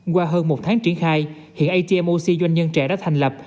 qua hơn một tháng triển khai hiện atm oxy doanh nhân trẻ đã thành lập